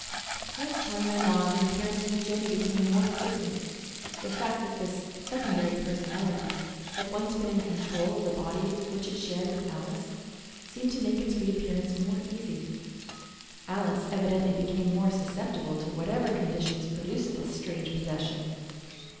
As time went on, the appearances of Jenny became more frequent. The fact that this secondary personality had once been in control of the body which it shared with Alice seemed to make its reappearance more easy. Alice evidently became more susceptible to whatever conditions produced this strange possession.